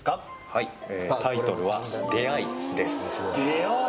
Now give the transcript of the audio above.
はいええタイトルは「出会い」です「出会い」